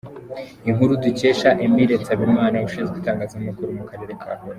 Inkuru dukesha : Emile Nsabimana, Ushinzwe Itangazamakuru mu Karere ka Huye.